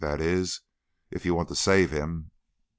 That is, if you want to save him."